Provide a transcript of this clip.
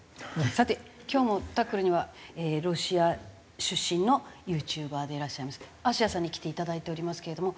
さて今日も『タックル』にはロシア出身のユーチューバーでいらっしゃいますあしやさんに来ていただいておりますけれども。